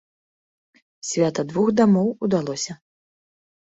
Свята двух дамоў удалося!